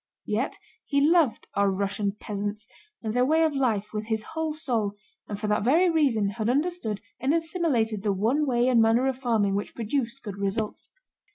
Yet he loved "our Russian peasants" and their way of life with his whole soul, and for that very reason had understood and assimilated the one way and manner of farming which produced good results.